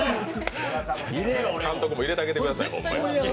監督も入れてあげてください。